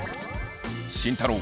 慎太郎